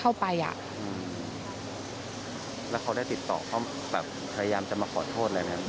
แล้วเขาได้ติดต่อเขาแบบพยายามจะมาขอโทษอะไรไหมครับ